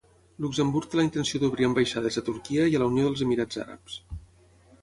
Luxemburg té la intenció d'obrir ambaixades a Turquia i a la Unió dels Emirats Àrabs.